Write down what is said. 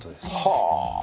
はあ！